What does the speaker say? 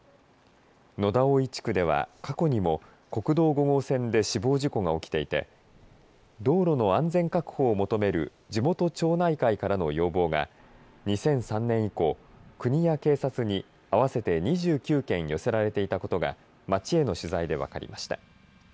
野田生地区では過去にも国道５号線で死亡事故が起きていて道路の安全確保を求める地元町内会からの要望が２００３年以降国や警察に合わせて２９件寄せられていたことが町への取材で分かりました。